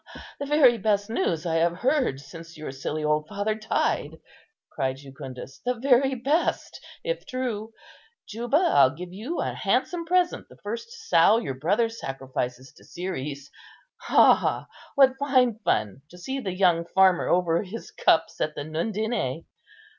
"The very best news I have heard since your silly old father died," cried Jucundus; "the very best—if true. Juba, I'll give you an handsome present the first sow your brother sacrifices to Ceres. Ha, ha, what fine fun to see the young farmer over his cups at the Nundinæ!